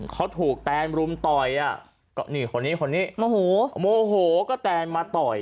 เขาถูกแตนรุมต่อยเหนื่อยนะฮะโทรอยาก็แตนมาต่อย